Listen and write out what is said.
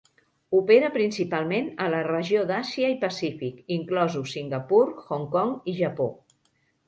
Opera principalment a la regió d'Àsia i Pacífic, inclosos Singapur, Hong Kong i Japó.